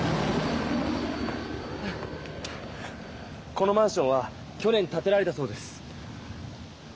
このマンションは去年たてられたそうです。